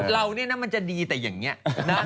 เราเนี่ยนะมันจะดีแต่อย่างนี้นะ